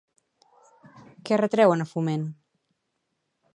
Què retreuen a Foment?